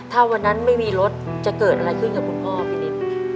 ถ้าวันนั้นไม่มีรถจะเกิดอะไรขึ้นกับคุณพ่อพี่นิด